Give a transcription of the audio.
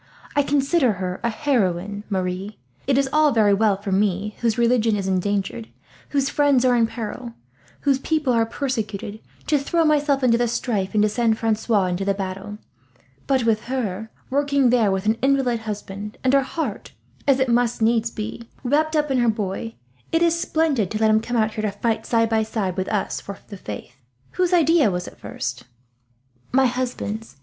I consider her a heroine, Marie. It is all very well for me, whose religion is endangered, whose friends are in peril, whose people are persecuted, to throw myself into the strife and to send Francois into the battle; but with her, working there with an invalid husband, and her heart, as it must be, wrapped up in her boy, it is splendid to let him come out here, to fight side by side with us for the faith. Whose idea was it first?" "My husband's.